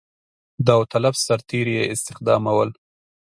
داوطلب سرتېري یې استخدامول.